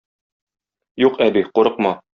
Юк, әби, курыкма.